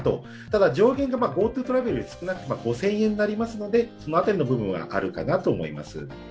ただ、上限がＧｏＴｏトラベルより少なく、５０００円になりますのでその辺りの部分はあるかなと思います。